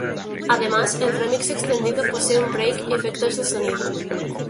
Además el "remix" extendido posee un "break" y efectos de sonido.